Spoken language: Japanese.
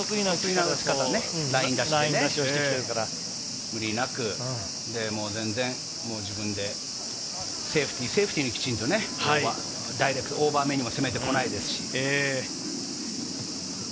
ライン出して、無理なく、もう全然、自分でセーフティーセーフティーにきちんとね、オーバー目にも攻めてこないですし。